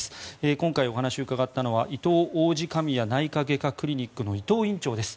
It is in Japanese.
今回お話を伺ったのはいとう王子神谷内科外科クリニックの伊藤院長です。